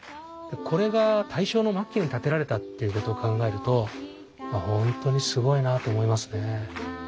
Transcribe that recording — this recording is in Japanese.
これが大正の末期に建てられたっていうことを考えると本当にすごいなと思いますね。